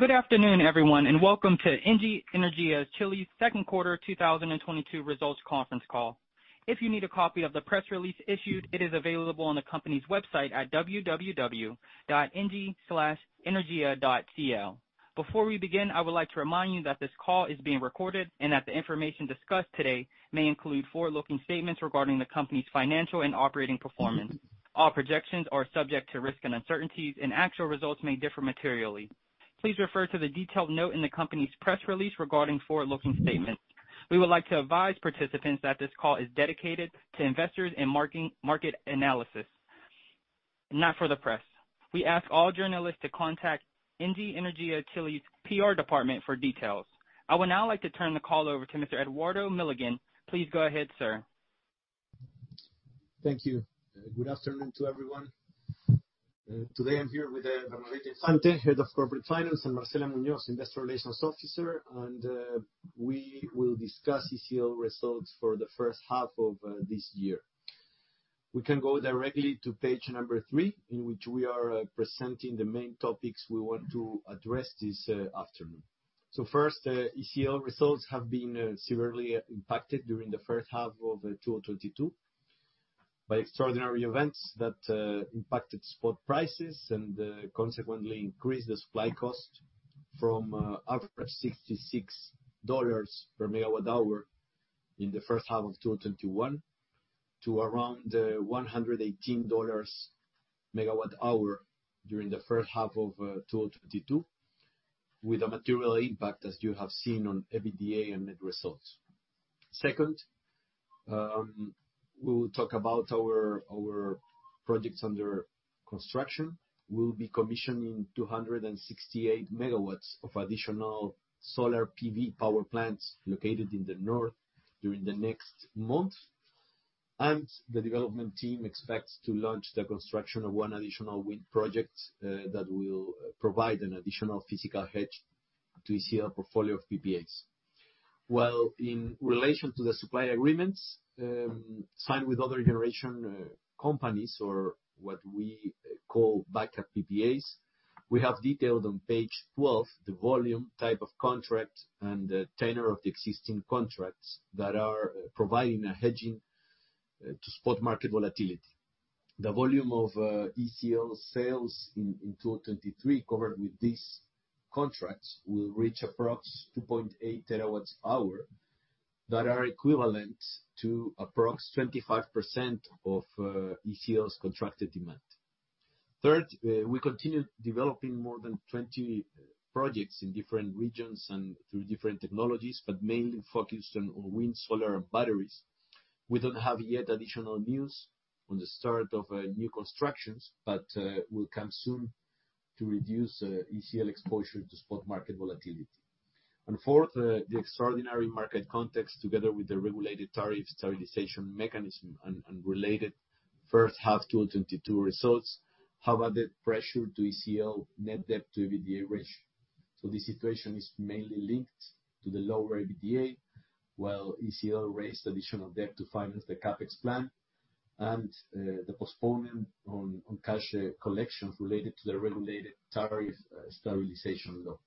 Good afternoon, everyone, and welcome to ENGIE Energía Chile's Q2 2022 results conference call. If you need a copy of the press release issued, it is available on the company's website at www.engie-energia.cl. Before we begin, I would like to remind you that this call is being recorded and that the information discussed today may include forward-looking statements regarding the company's financial and operating performance. All projections are subject to risk and uncertainties, and actual results may differ materially. Please refer to the detailed note in the company's press release regarding forward-looking statements. We would like to advise participants that this call is dedicated to investors and market analysts, not for the press. We ask all journalists to contact ENGIE Energía Chile's PR department for details. I would now like to turn the call over to Mr. Eduardo Millán. Please go ahead, sir. Thank you. Good afternoon to everyone. Today I'm here with Ramonette Infante, Head of Corporate Finance, and Marcela Muñoz, Investor Relations Officer, and we will discuss ECL results for the H1 of this year. We can go directly to page number 3, in which we are presenting the main topics we want to address this afternoon. First, ECL results have been severely impacted during the H1 of 2022 by extraordinary events that impacted spot prices and consequently increased the supply cost from average $66 per megawatt hour in the H1 of 2021 to around $118 megawatt hour during the H1 of 2022, with a material impact, as you have seen, on EBITDA and net results. Second, we will talk about our projects under construction. We'll be commissioning 268 MW of additional solar PV power plants located in the north during the next month. The development team expects to launch the construction of one additional wind project that will provide an additional physical hedge to ECL portfolio of PPAs. In relation to the supply agreements signed with other generation companies, or what we call backup PPAs, we have detailed on page 12 the volume, type of contract, and the tenure of the existing contracts that are providing a hedging to spot market volatility. The volume of ECL sales in 2023 covered with these contracts will reach approx 2.8 TWh that are equivalent to approx 25% of ECL's contracted demand. Third, we continue developing more than 20 projects in different regions and through different technologies, but mainly focused on wind, solar, and batteries. We don't have yet additional news on the start of new constructions but will come soon to reduce ECL exposure to spot market volatility. Fourth, the extraordinary market context, together with the regulated tariffs stabilization mechanism and related H1 2022 results, have added pressure to ECL net debt to EBITDA ratio. This situation is mainly linked to the lower EBITDA, while ECL raised additional debt to finance the CapEx plan and the postponement on cash collections related to the regulated tariff stabilization law.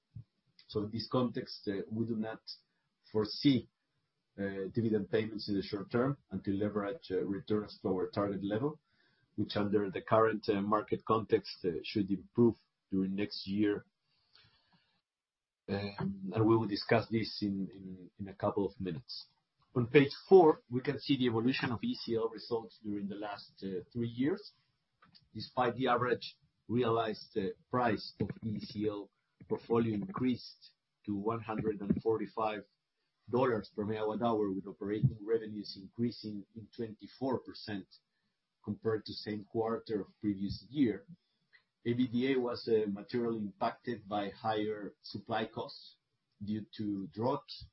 In this context, we do not foresee dividend payments in the short term until leverage returns to our target level, which under the current market context should improve during next year. We will discuss this in a couple of minutes. On page 4, we can see the evolution of ECL results during the last 3 years. Despite the average realized price of ECL portfolio increased to $145 per MWh, with operating revenues increasing in 24% compared to same quarter of previous year. EBITDA was materially impacted by higher supply costs due to droughts,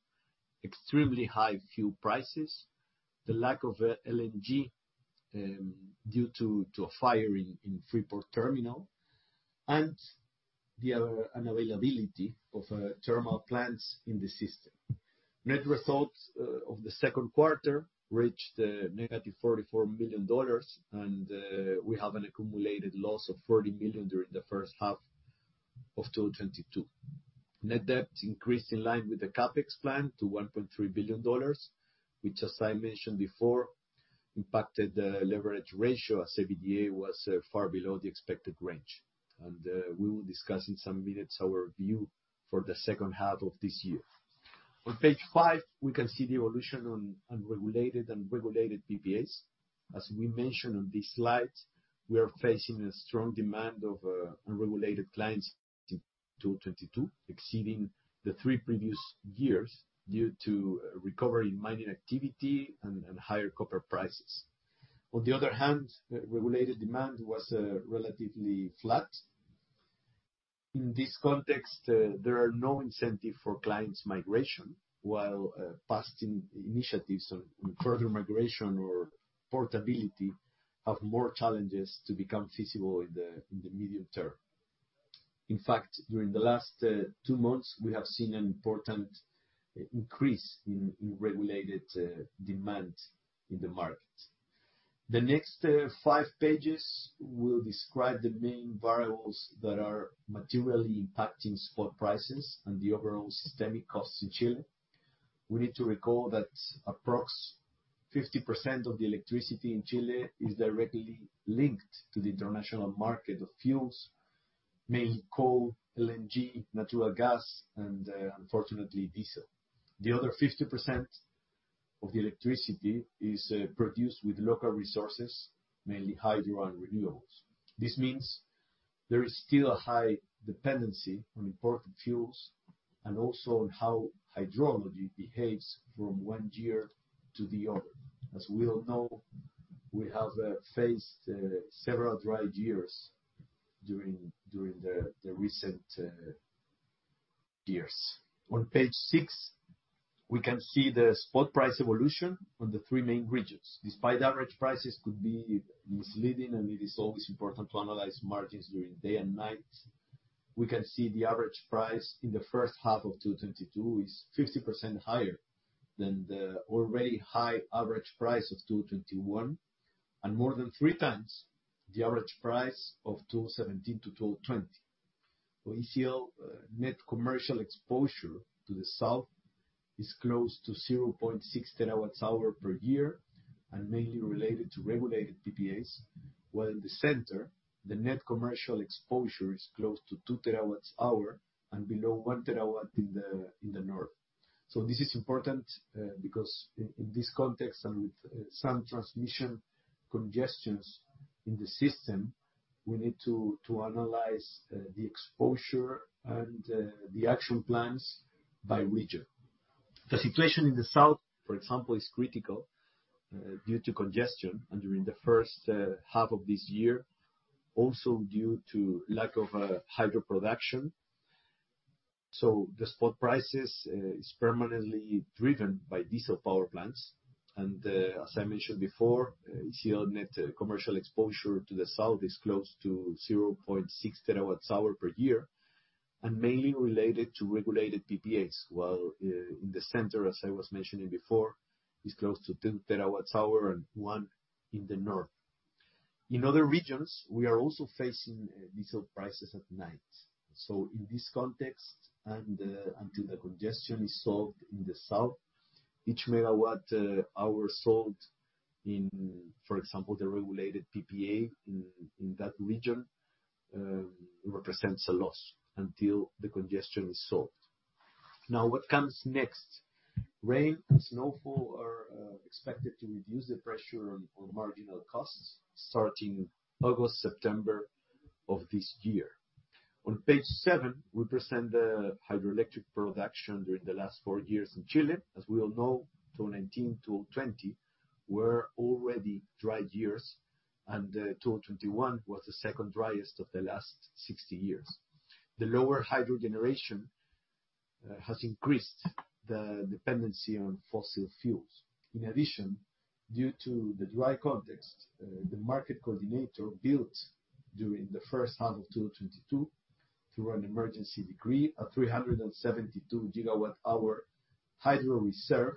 extremely high fuel prices, the lack of LNG due to a fire in Freeport Terminal, and the other unavailability of thermal plants in the system. Net results of the Q2 reached negative $44 million, and we have an accumulated loss of $40 million during the H1 of 2022. Net debt increased in line with the CapEx plan to $1.3 billion, which, as I mentioned before, impacted the leverage ratio as EBITDA was far below the expected range. We will discuss in some minutes our view for the H2 of this year. On page 5, we can see the evolution of unregulated and regulated PPAs. As we mentioned on this slide, we are facing a strong demand of unregulated clients in 2022, exceeding the 3 previous years due to recovery in mining activity and higher copper prices. On the other hand, regulated demand was relatively flat. In this context, there are no incentive for clients migration, while past initiatives on further migration or portability have more challenges to become feasible in the medium term. In fact, during the last two months, we have seen an important increase in regulated demand in the market. The next five pages will describe the main variables that are materially impacting spot prices and the overall systemic costs in Chile. We need to recall that approximately 50% of the electricity in Chile is directly linked to the international market of fuels, mainly coal, LNG, natural gas, and unfortunately diesel. The other 50% of the electricity is produced with local resources, mainly hydro and renewables. This means there is still a high dependency on imported fuels and also on how hydrology behaves from one year to the other. As we all know, we have faced several dry years during the recent years. On page six, we can see the spot price evolution on the three main regions. Despite average prices could be misleading, and it is always important to analyze margins during day and night, we can see the average price in the H1 of 2022 is 50% higher than the already high average price of 2021, and more than three times the average price of 2017-2020. For ECL, net commercial exposure to the south is close to 0.6 terawatt hour per year and mainly related to regulated PPAs, while in the center, the net commercial exposure is close to 2 terawatt hours and below 1 terawatt in the north. This is important, because in this context and with some transmission congestions in the system, we need to analyze the exposure and the action plans by region. The situation in the south, for example, is critical due to congestion and during the H1 of this year, also due to lack of hydro production. The spot prices is permanently driven by diesel power plants. As I mentioned before, ECL net commercial exposure to the south is close to 0.6 terawatt hour per year and mainly related to regulated PPAs, while in the center, as I was mentioning before, is close to 2 terawatt hours and 1 in the north. In other regions, we are also facing diesel prices at night. In this context, until the congestion is solved in the south, each megawatt hour sold in, for example, the regulated PPA in that region, represents a loss until the congestion is solved. Now, what comes next? Rain and snowfall are expected to reduce the pressure on marginal costs starting August, September of this year. On page seven, we present the hydroelectric production during the last 4 years in Chile. As we all know, 2019, 2020 were already dry years, and 2021 was the second driest of the last 60 years. The lower hydro generation has increased the dependency on fossil fuels. In addition, due to the dry context, the market coordinator built during the H1 of 2022 through an emergency decree, a 372-gigawatt hour hydro reserve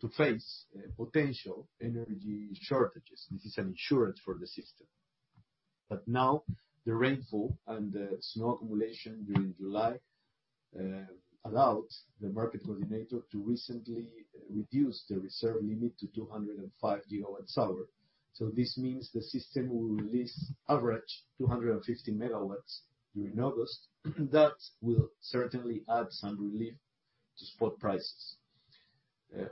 to face potential energy shortages. This is an insurance for the system. Now, the rainfall and the snow accumulation during July allowed the market coordinator to recently reduce the reserve limit to 205 gigawatt hours. This means the system will release average 250 megawatts during August. That will certainly add some relief to spot prices.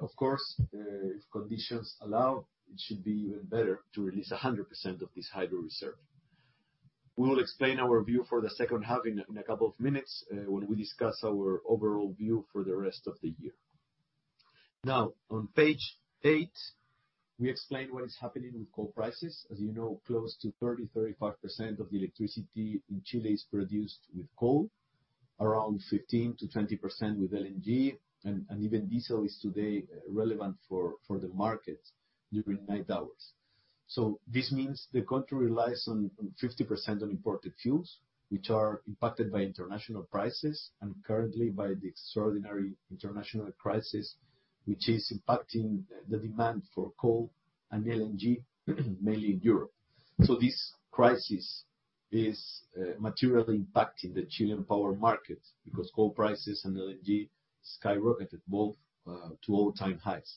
Of course, if conditions allow, it should be even better to release 100% of this hydro reserve. We will explain our view for the H2 in a couple of minutes when we discuss our overall view for the rest of the year. Now, on page eight, we explain what is happening with coal prices. As you know, close to 30 to 35% of the electricity in Chile is produced with coal, around 15 to 20% with LNG, and even diesel is today relevant for the market during night hours. This means the country relies on 50% on imported fuels, which are impacted by international prices and currently by the extraordinary international crisis, which is impacting the demand for coal and LNG mainly in Europe. This crisis is materially impacting the Chilean power market because coal prices and LNG skyrocketed both to all-time highs.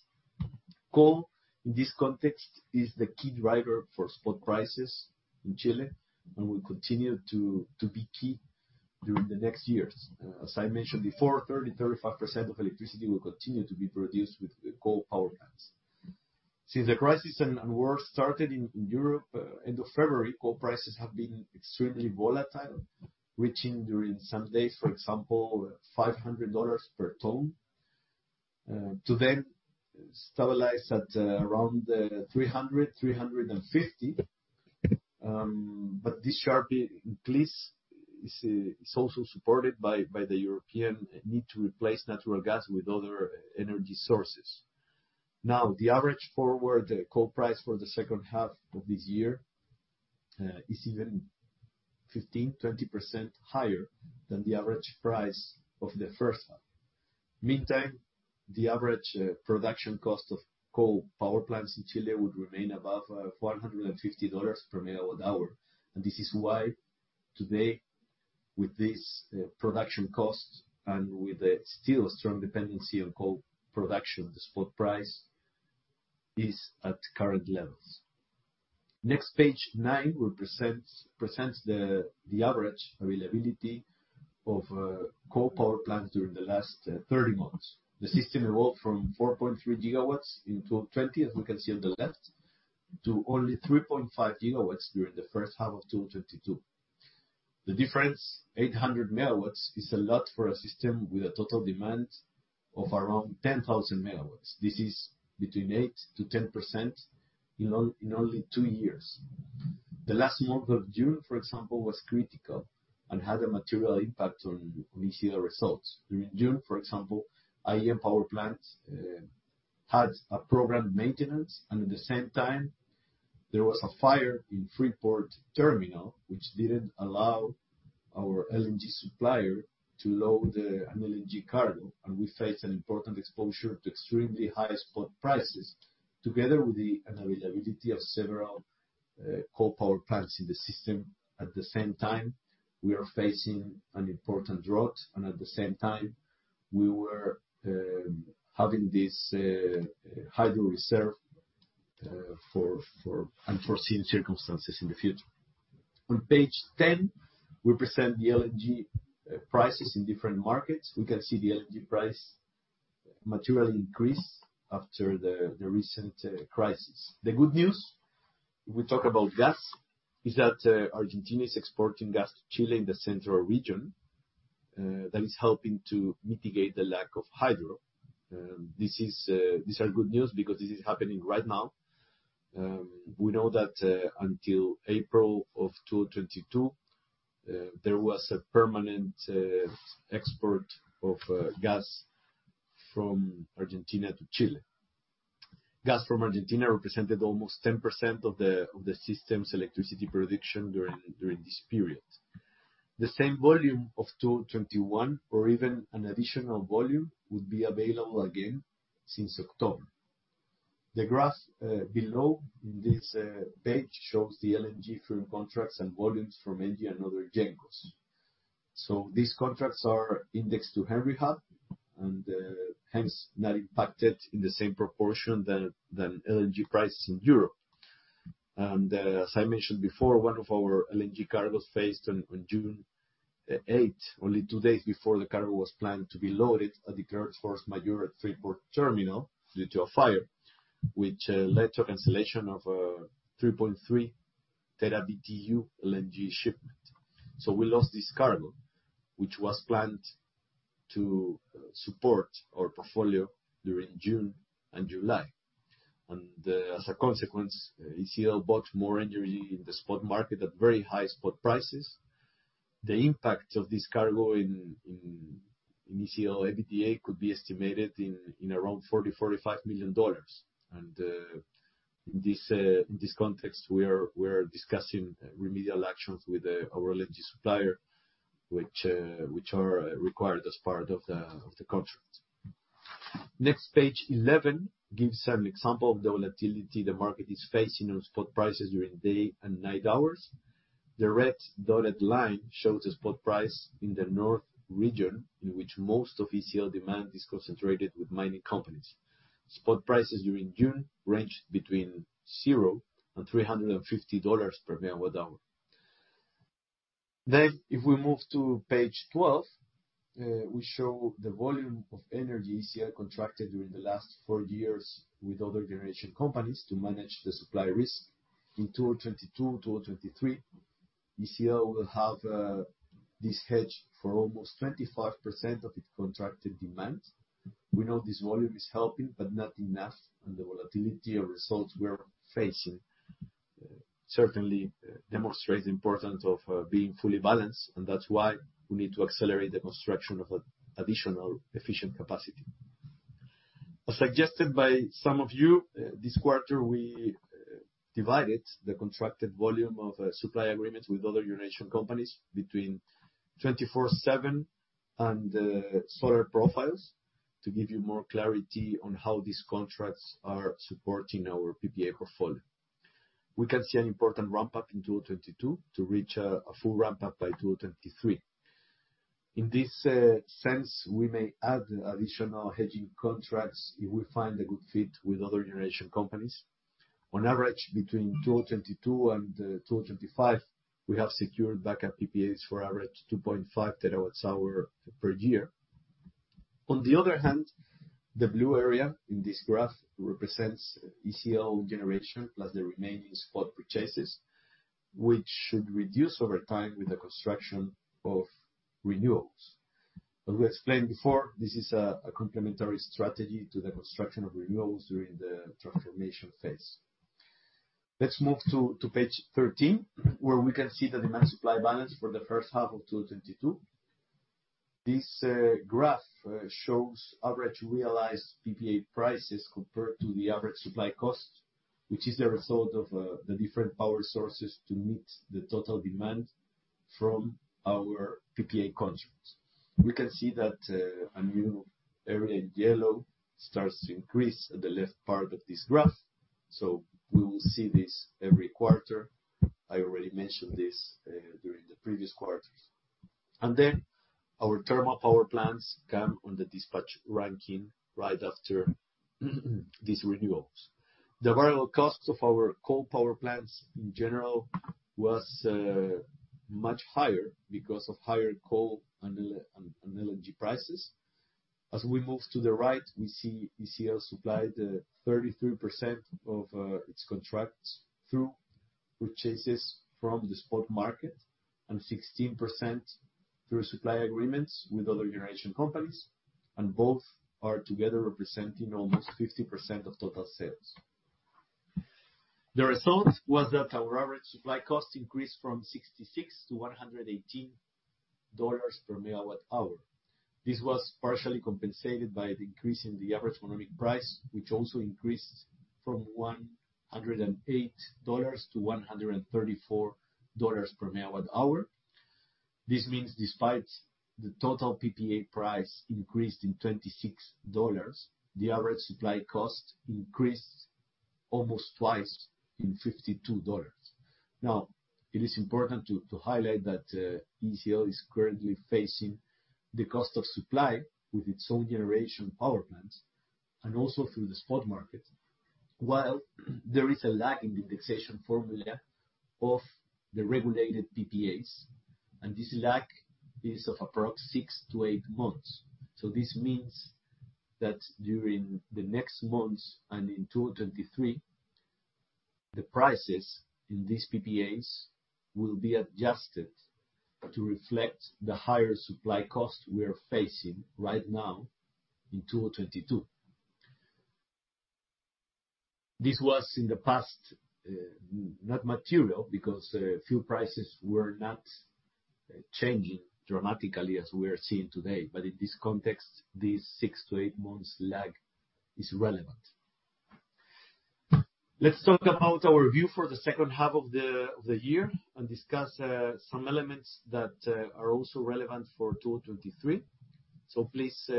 Coal, in this context, is the key driver for spot prices in Chile and will continue to be key during the next years. As I mentioned before, 35% of electricity will continue to be produced with coal power plants. Since the crisis and war started in Europe end of February, coal prices have been extremely volatile, reaching during some days, for example, $500 per ton to then stabilize at around $350. This sharp increase is also supported by the European need to replace natural gas with other energy sources. Now, the average forward coal price for the H2 of this year is even 15 to 20% higher than the average price of the H1. Meantime, the average production cost of coal power plants in Chile would remain above $450 per megawatt hour. This is why, today, with this production cost and with a still strong dependency on coal production, the spot price is at current levels. Next, page nine presents the average availability of coal power plants during the last 30 months. The system evolved from 4.3 gigawatts in 2020, as we can see on the left, to only 3.5 gigawatts during the H1 of 2022. The difference, 800 megawatts, is a lot for a system with a total demand of around 10,000 megawatts. This is between 8 to 10% in only two years. The last month of June, for example, was critical and had a material impact on ECL results. During June, for example, IEM power plants had programmed maintenance, and at the same time, there was a fire in Freeport Terminal, which didn't allow our LNG supplier to load an LNG cargo, and we faced an important exposure to extremely high spot prices. Together with the unavailability of several coal power plants in the system, at the same time, we are facing an important drought, and at the same time, we were having this hydro reserve for unforeseen circumstances in the future. On page 10, we present the LNG prices in different markets. We can see the LNG price materially increase after the recent crisis. The good news, if we talk about gas, is that Argentina is exporting gas to Chile in the central region that is helping to mitigate the lack of hydro. This is these are good news because this is happening right now. We know that until April of 2022 there was a permanent export of gas from Argentina to Chile. Gas from Argentina represented almost 10% of the system's electricity production during this period. The same volume of 2021, or even an additional volume, would be available again since October. The graph below in this page shows the LNG firm contracts and volumes from ENGIE and other cogenerators. These contracts are indexed to Henry Hub and hence not impacted in the same proportion than LNG prices in Europe. As I mentioned before, one of our LNG cargos faced a force majeure on June 8, only two days before the cargo was planned to be loaded at the Freeport Terminal due to a fire, which led to cancellation of 3.3 TBtu LNG shipment. We lost this cargo, which was planned to support our portfolio during June and July. As a consequence, ECL bought more energy in the spot market at very high spot prices. The impact of this cargo in ECL EBITDA could be estimated in around $40 to 45 million. In this context, we are discussing remedial actions with our LNG supplier, which are required as part of the contract. Next, page 11 gives an example of the volatility the market is facing on spot prices during day and night hours. The red dotted line shows the spot price in the north region, in which most of ECL demand is concentrated with mining companies. Spot prices during June ranged between $0 and $350 per MWh. If we move to page 12, we show the volume of energy ECL contracted during the last four years with other generation companies to manage the supply risk. In 2022, 2023, ECL will have this hedge for almost 25% of its contracted demand. We know this volume is helping, but not enough, and the volatility of results we are facing certainly demonstrates the importance of being fully balanced, and that's why we need to accelerate the construction of additional efficient capacity. As suggested by some of you, this quarter, we divided the contracted volume of supply agreements with other generation companies between 24/7 and solar profiles to give you more clarity on how these contracts are supporting our PPA portfolio. We can see an important ramp-up in 2022 to reach a full ramp-up by 2023. In this sense, we may add additional hedging contracts if we find a good fit with other generation companies. On average, between 2022 and 2025, we have secured backup PPAs for average 2.5 terawatt hours per year. On the other hand, the blue area in this graph represents ECL generation, plus the remaining spot purchases, which should reduce over time with the construction of renewables. As we explained before, this is a complementary strategy to the construction of renewables during the transformation phase. Let's move to page 13, where we can see the demand supply balance for the H1 of 2022. This graph shows average realized PPA prices compared to the average supply cost, which is the result of the different power sources to meet the total demand from our PPA contracts. We can see that a new area in yellow starts to increase at the left part of this graph, so we will see this every quarter. I already mentioned this during the previous quarters. Our thermal power plants come on the dispatch ranking right after these renewables. The variable costs of our coal power plants in general was much higher because of higher coal and LNG prices. As we move to the right, we see ECL supplied 33% of its contracts through purchases from the spot market and 16% through supply agreements with other generation companies, and both are together representing almost 50% of total sales. The result was that our average supply cost increased from $66 to 118 per megawatt hour. This was partially compensated by the increase in the average economic price, which also increased from $108 to 134 per megawatt hour. This means despite the total PPA price increased in $26, the average supply cost increased almost twice, in $52. Now, it is important to highlight that ECL is currently facing the cost of supply with its own generation power plants and also through the spot market, while there is a lag in the fixation formula of the regulated PPAs, and this lag is of approx six to eight months. This means that during the next months, and in 2023, the prices in these PPAs will be adjusted to reflect the higher supply costs we are facing right now in 2022. This was, in the past, not material because fuel prices were not changing dramatically as we are seeing today. In this context, this six to eight months lag is relevant. Let's talk about our view for the H2 of the year and discuss some elements that are also relevant for 2023. Please,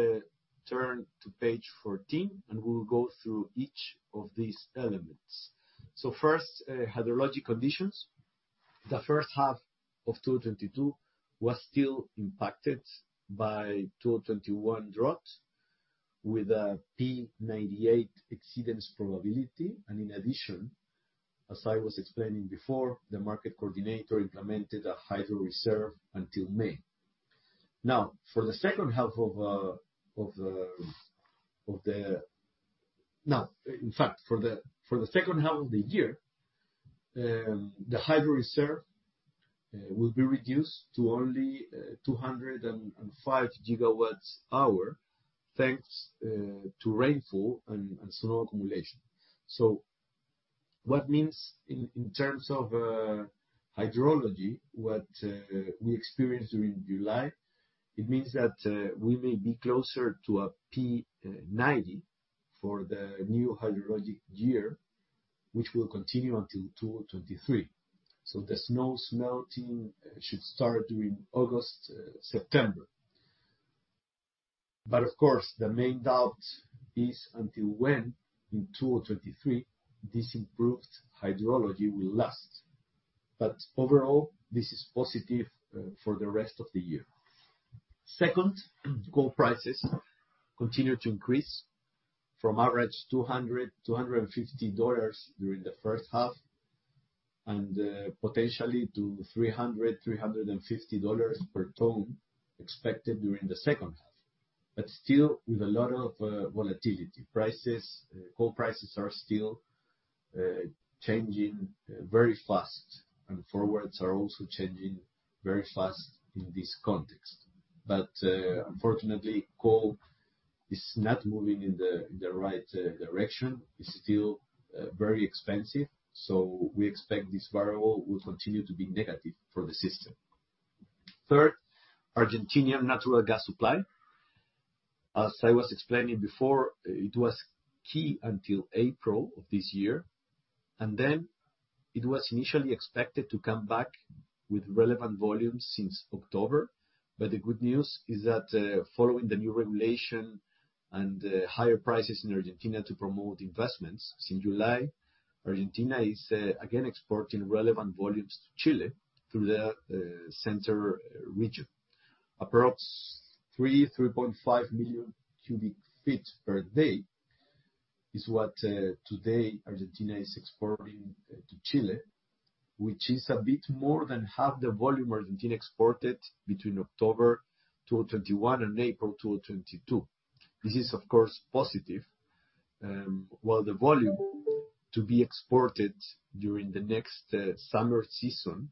turn to page 14, and we will go through each of these elements. First, hydrologic conditions. The H1 of 2022 was still impacted by 2021 drought with a P98 exceedance probability. In addition, as I was explaining before, the market coordinator implemented a hydro reserve until May. Now, in fact, for the H2 of the year, the hydro reserve will be reduced to only 205 gigawatt hours, thanks to rainfall and snow accumulation. What means in terms of hydrology, what we experienced during July, it means that we may be closer to a P90 for the new hydrologic year, which will continue until 2023. The snow's melting should start during August, September. Of course, the main doubt is until when in 2023 this improved hydrology will last. Overall, this is positive for the rest of the year. Second, coal prices continue to increase from average 200, 250 during the H1 and potentially to 300, 350 dollars per ton expected during the H2, but still with a lot of volatility. Coal prices are still changing very fast, and forwards are also changing very fast in this context. Unfortunately, coal is not moving in the right direction. It's still very expensive, so we expect this variable will continue to be negative for the system. Third, Argentinian natural gas supply. As I was explaining before, it was key until April of this year, and then it was initially expected to come back with relevant volumes since October. The good news is that, following the new regulation and higher prices in Argentina to promote investments, since July, Argentina is again exporting relevant volumes to Chile through the center region. Approximately 3.5 million cubic feet per day is what today Argentina is exporting to Chile, which is a bit more than half the volume Argentina exported between October 2021 and April 2022. This is, of course, positive, while the volume to be exported during the next summer season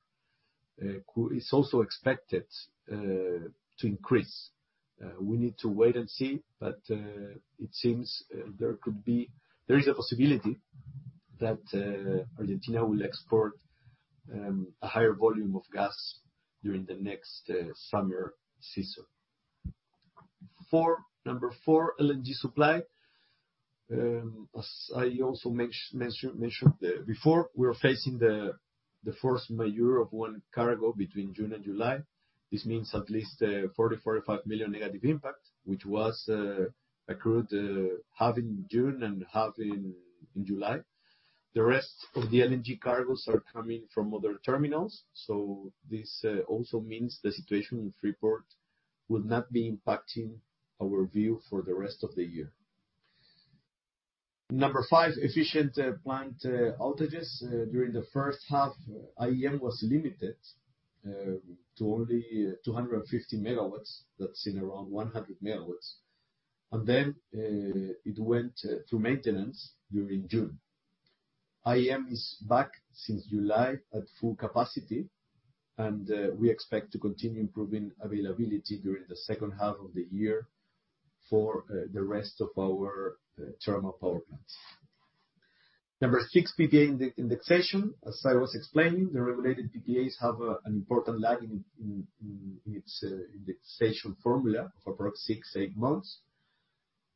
is also expected to increase. We need to wait and see, but it seems there could be. There is a possibility that Argentina will export a higher volume of gas during the next summer season. Number four, LNG supply. As I also mentioned before, we are facing the force majeure of one cargo between June and July. This means at least $45 million negative impact, which was accrued half in June and half in July. The rest of the LNG cargoes are coming from other terminals, so this also means the situation in Freeport will not be impacting our view for the rest of the year. Number five, efficient plant outages. During the H1, IEM was limited to only 250 MW. That's an around 100 MW. It went to maintenance during June. IEM is back since July at full capacity, and we expect to continue improving availability during the H2 of the year for the rest of our thermal power plants. Number 6, PGA indexation. As I was explaining, the regulated PGAs have an important lag in its indexation formula of approximately 6 to 8 months.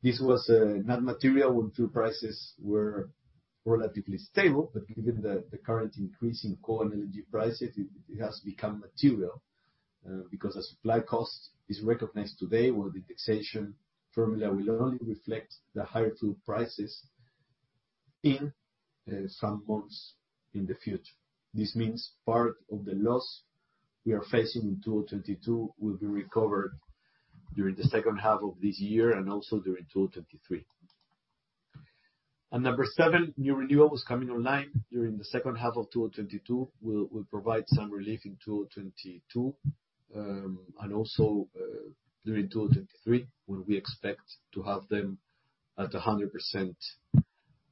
This was not material when fuel prices were relatively stable but given the current increase in coal and energy prices, it has become material because the supply cost is recognized today where the indexation formula will only reflect the higher fuel prices in some months in the future. This means part of the loss we are facing in 2022 will be recovered during the H2 of this year and also during 2023. Number seven, new renewables coming online during the H2 of 2022 will provide some relief in 2022, and also during 2023, when we expect to have them at 100%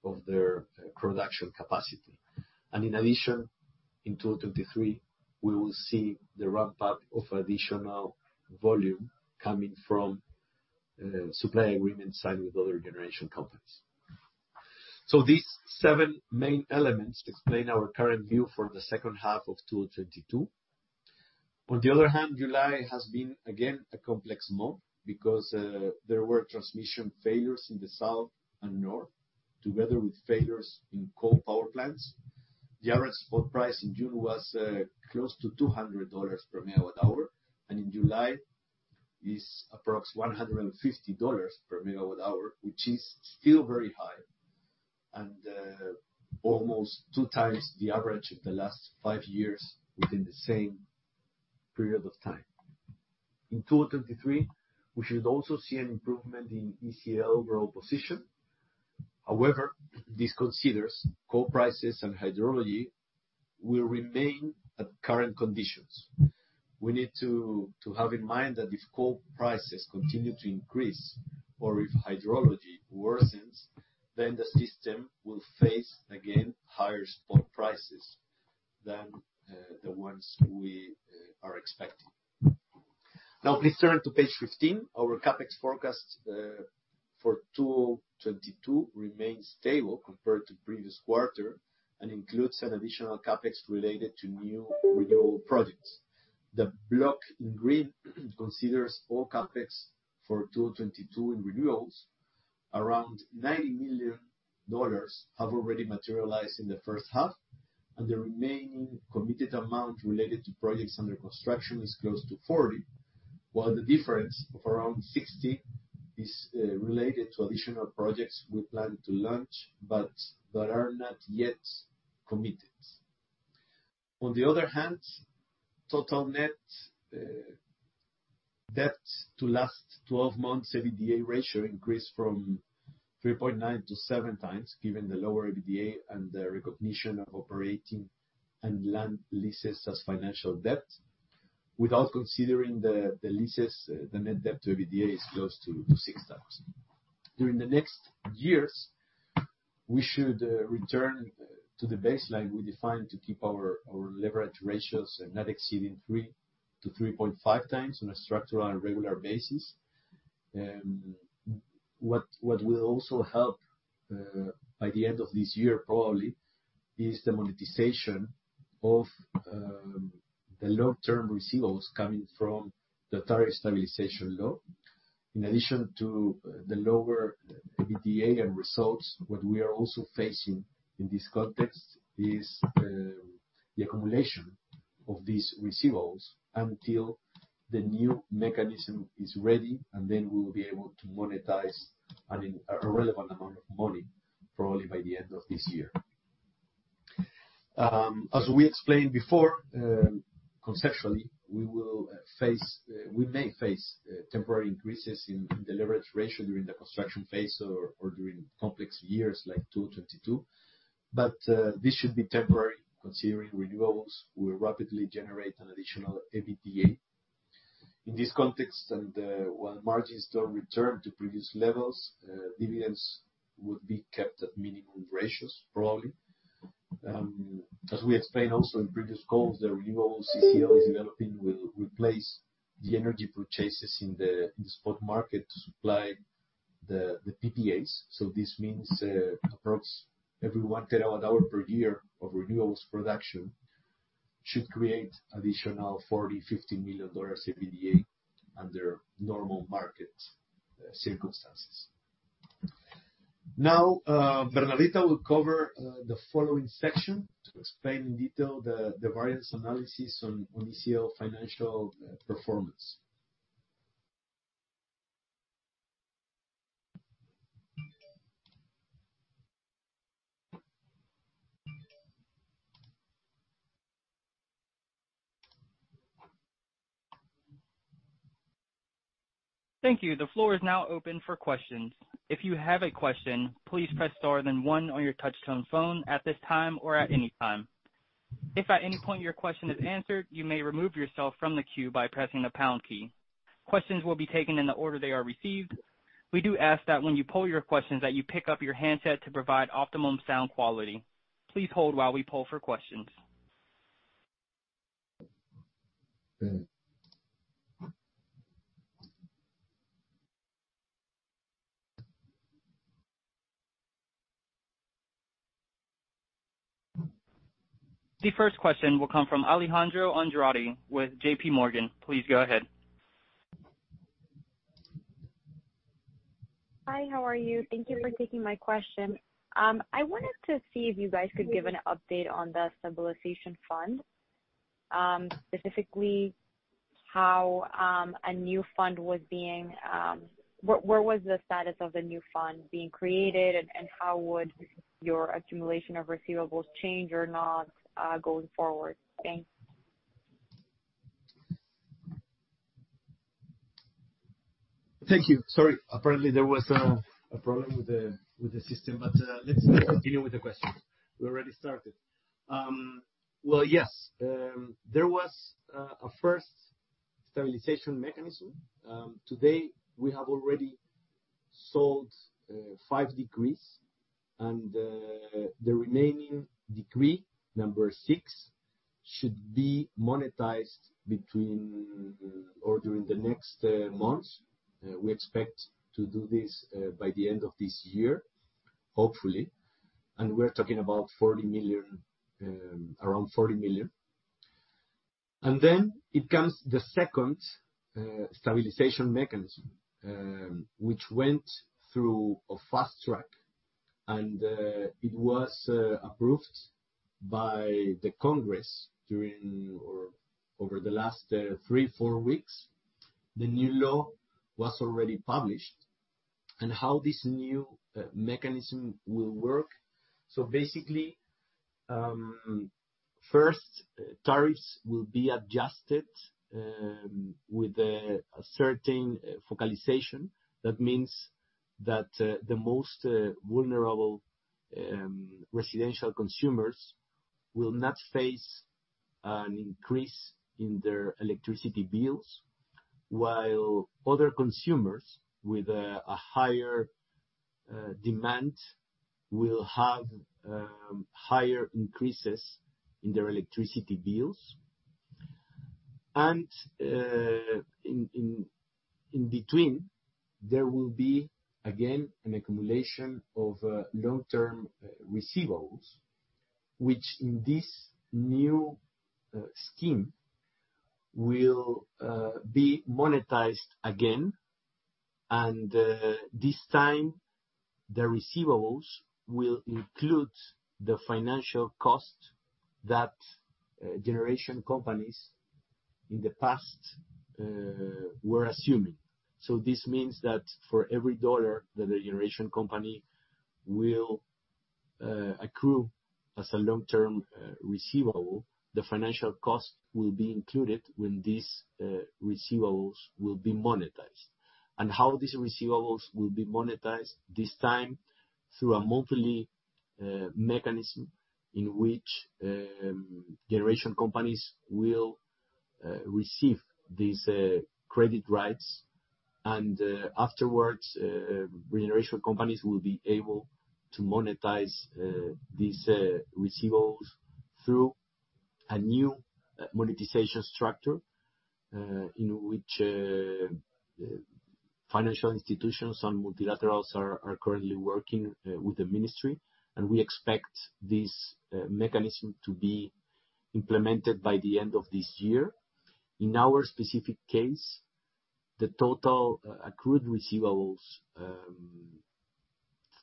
of their production capacity. In addition, in 2023, we will see the ramp up of additional volume coming from supply agreements signed with other generation companies. These seven main elements explain our current view for the H2 of 2022. On the other hand, July has been again a complex month because there were transmission failures in the south and north, together with failures in coal power plants. The average spot price in June was close to $200 per MWh, and in July is approximately $150 per MWh, which is still very high and almost two times the average of the last five years within the same period of time. In 2023, we should also see an improvement in ECL overall position. However, this considers coal prices and hydrology will remain at current conditions. We need to have in mind that if coal prices continue to increase, or if hydrology worsens, then the system will face again higher spot prices than the ones we are expecting. Now please turn to page 15. Our CapEx forecast for 2022 remains stable compared to previous quarter and includes an additional CapEx related to new renewable projects. The block in green considers all CapEx for 2022 in renewables. Around $90 million have already materialized in the H1, and the remaining committed amount related to projects under construction is close to $40 million, while the difference of around $60 million is related to additional projects we plan to launch, but that are not yet committed. On the other hand, total net debt to last twelve months' EBITDA ratio increased from 3.9 to 7 times, given the lower EBITDA and the recognition of operating and land leases as financial debt. Without considering the leases, the net debt to EBITDA is close to 6 times. During the next years, we should return to the baseline we defined to keep our leverage ratios not exceeding 3 to 3.5 times on a structural and regular basis. What will also help by the end of this year probably is the monetization of the long-term receivables coming from the Tariff Stabilization Law. In addition to the lower EBITDA and results, what we are also facing in this context is the accumulation of these receivables until the new mechanism is ready, and then we will be able to monetize a relevant amount of money, probably by the end of this year. As we explained before, conceptually, we may face temporary increases in the leverage ratio during the construction phase or during complex years like 2022, but this should be temporary considering renewables will rapidly generate an additional EBITDA. In this context, while margins don't return to previous levels, dividends would be kept at minimum ratios probably. As we explained also in previous calls, the renewables is developing will replace the energy purchases in the spot market to supply the PPAs. This means, approx every 1 terawatt hour per year of renewables production should create additional $40 to 50 million EBITDA under normal market circumstances. Now, Bernardita will cover the following section to explain in detail the variance analysis on the consolidated financial performance. Thank you. The floor is now open for questions. If you have a question, please press star then one on your touch tone phone at this time or at any time. If at any point your question is answered, you may remove yourself from the queue by pressing the pound key. Questions will be taken in the order they are received. We do ask that when you pose your questions, that you pick up your handset to provide optimum sound quality. Please hold while we poll for questions. The first question will come from Alejandro Andrade with JP Morgan. Please go ahead. Hi, how are you? Thank you for taking my question. I wanted to see if you guys could give an update on the stabilization fund, specifically what is the status of the new fund being created, and how would your accumulation of receivables change or not going forward? Thanks. Thank you. Sorry, apparently there was a problem with the system. Let's continue with the questions. We already started. Well, yes, there was a first stabilization mechanism. Today we have already sold 5 decrees, and the remaining decree, number 6, should be monetized between or during the next months. We expect to do this by the end of this year, hopefully. We're talking about 40 million, around 40 million. It comes the second stabilization mechanism, which went through a fast track, and it was approved by the Congress during or over the last 3 or 4 weeks. The new law was already published. How this new mechanism will work, so basically, first, tariffs will be adjusted with a certain focalization. That means that the most vulnerable residential consumers will not face an increase in their electricity bills, while other consumers with a higher demand will have higher increases in their electricity bills. In between, there will be again an accumulation of long-term receivables, which in this new scheme will be monetized again. This time, the receivables will include the financial cost that generation companies in the past were assuming. This means that for every dollar that a generation company will accrue as a long-term receivable, the financial cost will be included when these receivables will be monetized. How these receivables will be monetized this time through a monthly mechanism in which generation companies will receive these credit rights. Afterwards, generation companies will be able to monetize these receivables through a new monetization structure in which financial institutions and multilaterals are currently working with the ministry. We expect this mechanism to be implemented by the end of this year. In our specific case, the total accrued receivables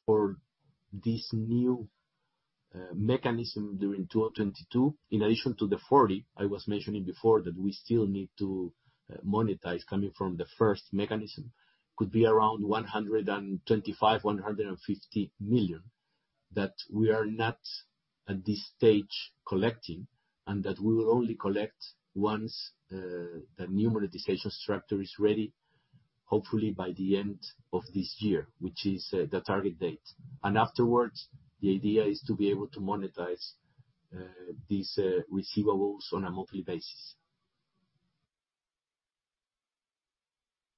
for this new mechanism during 2022, in addition to the 40 I was mentioning before that we still need to monetize coming from the first mechanism, could be around $125 to 150 million that we are not at this stage collecting, and that we will only collect once the new monetization structure is ready, hopefully by the end of this year, which is the target date. Afterwards, the idea is to be able to monetize these receivables on a monthly basis.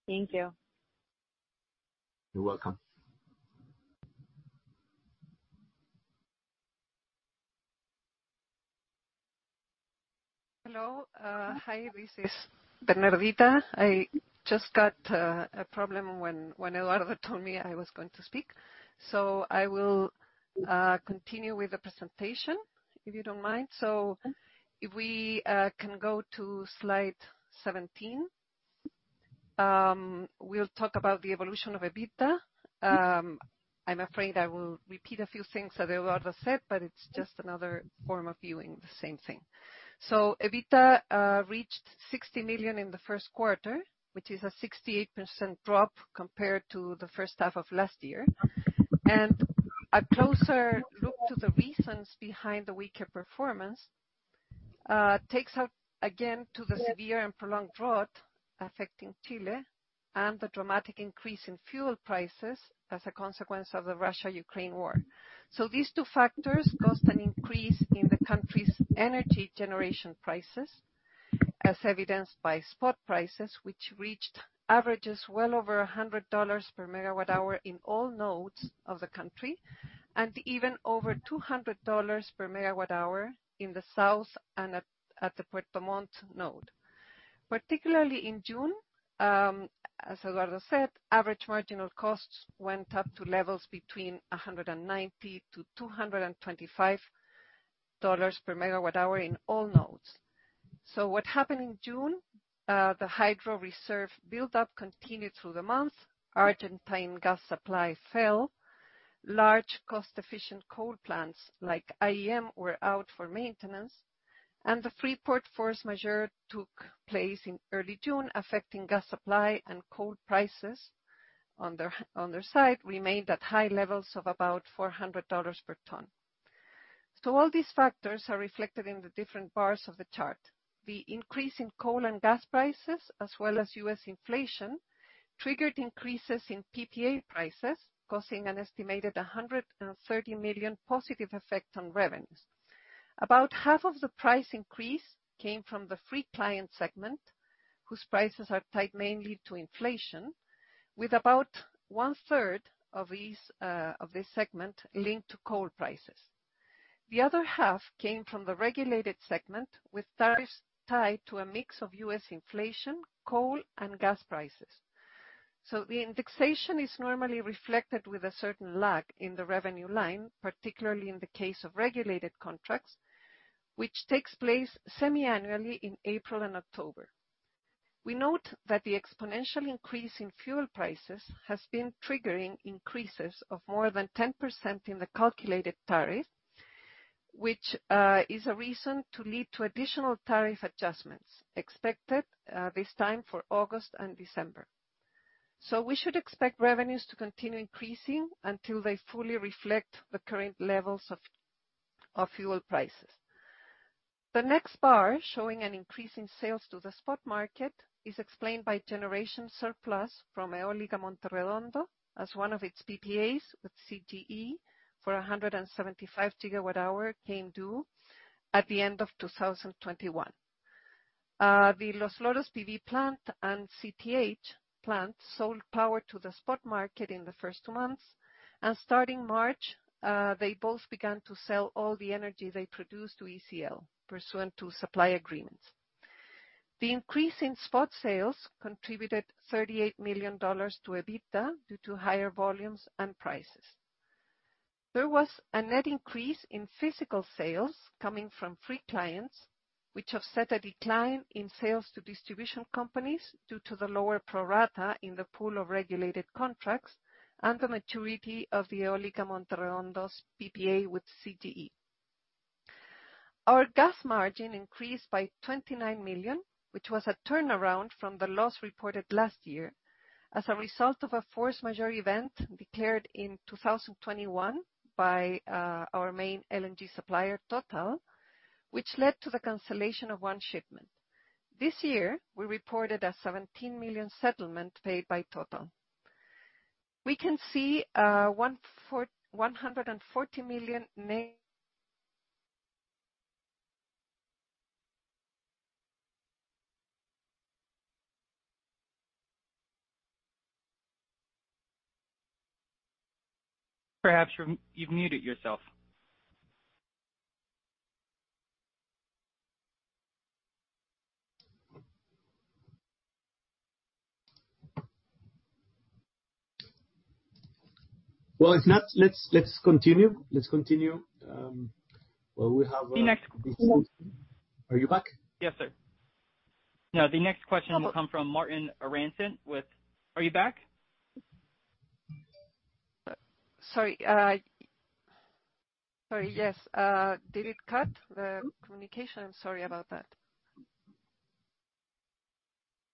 Thank you. You're welcome. Hello. Hi, this is Bernardita. I just got a problem when Eduardo told me I was going to speak. I will continue with the presentation, if you don't mind. If we can go to slide 17, we'll talk about the evolution of EBITDA. I'm afraid I will repeat a few things that Eduardo said, but it's just another form of viewing the same thing. EBITDA reached $60 million in the Q1, which is a 68% drop compared to the H1 of last year. A closer look to the reasons behind the weaker performance takes us again to the severe and prolonged drought affecting Chile and the dramatic increase in fuel prices as a consequence of the Russia-Ukraine war. These two factors caused an increase in the country's energy generation prices, as evidenced by spot prices, which reached averages well over $100 per megawatt hour in all nodes of the country, and even over $200 per megawatt hour in the south and at the Puerto Montt node. Particularly in June, as Eduardo said, average marginal costs went up to levels between $190 to 225 per megawatt hour in all nodes. What happened in June, the hydro reserve buildup continued through the month. Argentine gas supply fell. Large cost-efficient coal plants like IEM were out for maintenance. The Freeport force majeure took place in early June, affecting gas supply and coal prices. On their side, remained at high levels of about $400 per ton. All these factors are reflected in the different bars of the chart. The increase in coal and gas prices, as well as U.S. inflation, triggered increases in PPA prices, causing an estimated $100 million positive effect on revenues. About half of the price increase came from the free client segment, whose prices are tied mainly to inflation, with about one-third of these, of this segment linked to coal prices. The other half came from the regulated segment, with tariffs tied to a mix of U.S. inflation, coal, and gas prices. The indexation is normally reflected with a certain lag in the revenue line, particularly in the case of regulated contracts, which takes place semiannually in April and October. We note that the exponential increase in fuel prices has been triggering increases of more than 10% in the calculated tariff, which is a reason to lead to additional tariff adjustments expected this time for August and December. We should expect revenues to continue increasing until they fully reflect the current levels of fuel prices. The next bar, showing an increase in sales to the spot market, is explained by generation surplus from Eólica Monte Redondo as one of its PPAs with CTE for 175 gigawatt hour came due at the end of 2021. The Los Loros PV plant and CTH plant sold power to the spot market in the first two months, and starting March, they both began to sell all the energy they produced to ECL pursuant to supply agreements. The increase in spot sales contributed $38 million to EBITDA due to higher volumes and prices. There was a net increase in physical sales coming from free clients, which offset a decline in sales to distribution companies due to the lower pro rata in the pool of regulated contracts and the maturity of the Eólica Monte Redondo's PPA with CTE. Our gas margin increased by $29 million, which was a turnaround from the loss reported last year as a result of a force majeure event declared in 2021 by our main LNG supplier, TotalEnergies, which led to the cancellation of one shipment. This year, we reported a $17 million settlement paid by TotalEnergies. We can see $140 million Perhaps you've muted yourself. Well, if not, let's continue. Well, we have The next Are you back? Yes, sir. No, the next question will come from Martin Arancet with. Are you back? Sorry, yes. Did it cut, the communication? I'm sorry about that.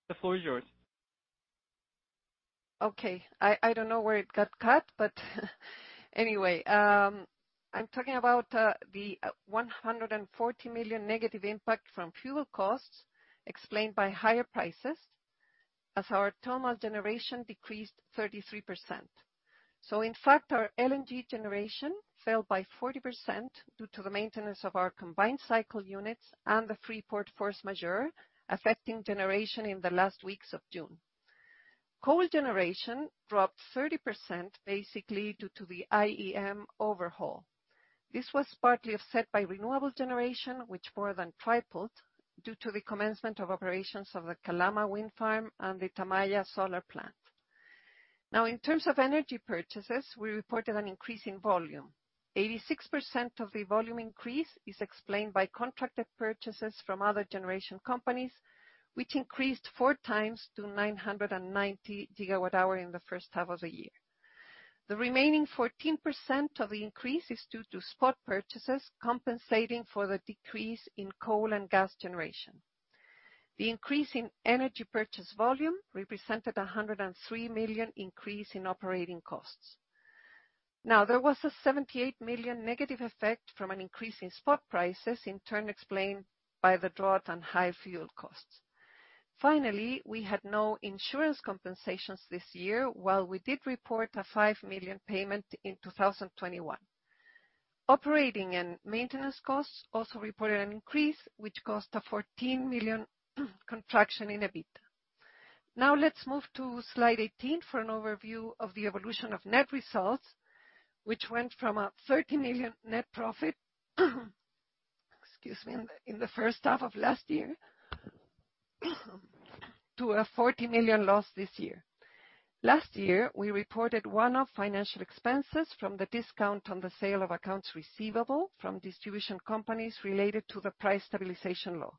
The floor is yours. Okay. I don't know where it got cut, but anyway, I'm talking about the $140 million negative impact from fuel costs explained by higher prices as our thermal generation decreased 33%. In fact, our LNG generation fell by 40% due to the maintenance of our combined cycle units and the Freeport force majeure, affecting generation in the last weeks of June. Coal generation dropped 30%, basically due to the IEM overhaul. This was partly offset by renewable generation, which more than tripled due to the commencement of operations of the Calama wind farm and the Tamaya solar plant. Now, in terms of energy purchases, we reported an increase in volume. 86% of the volume increase is explained by contracted purchases from other generation companies, which increased 4 times to 990 gigawatt-hours in the H1 of the year. The remaining 14% of the increase is due to spot purchases compensating for the decrease in coal and gas generation. The increase in energy purchase volume represented a 103 million increase in operating costs. Now, there was a 78 million negative effect from an increase in spot prices, in turn explained by the drought and high fuel costs. Finally, we had no insurance compensations this year, while we did report a 5 million payment in 2021. Operating and maintenance costs also reported an increase, which caused a 14 million contraction in EBITDA. Now let's move to slide 18 for an overview of the evolution of net results, which went from a $30 million net profit, excuse me, in the H1 of last year, to a $40 million loss this year. Last year, we reported one-off financial expenses from the discount on the sale of accounts receivable from distribution companies related to the Tariff Stabilization Law.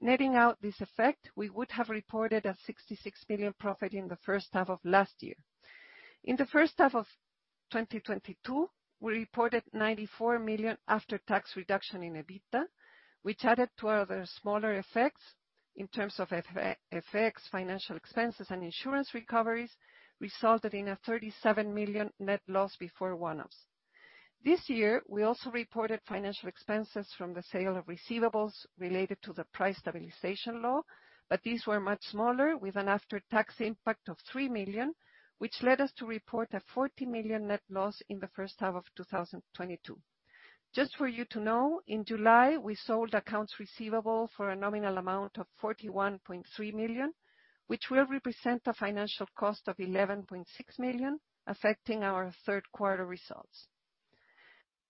Netting out this effect, we would have reported a $66 million profit in the H1 of last year. In the H1 of 2022, we reported $94 million after-tax reduction in EBITDA, which added to other smaller effects in terms of FX, financial expenses, and insurance recoveries, resulted in a $37 million net loss before one-offs. This year, we also reported financial expenses from the sale of receivables related to the Tariff Stabilization Law, but these were much smaller, with an after-tax impact of $3 million, which led us to report a $40 million net loss in the H1 of 2022. Just for you to know, in July, we sold accounts receivable for a nominal amount of $41.3 million, which will represent a financial cost of $11.6 million, affecting our